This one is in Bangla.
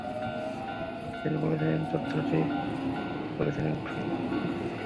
জবাবে তিনি বলেছিলেন, এই তথ্যটি প্রকাশ করেছিল ফিরআউনী।